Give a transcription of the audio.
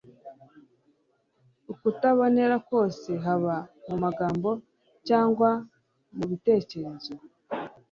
ukutabonera kose haba mu magambo cyangwa mu bitekerezo.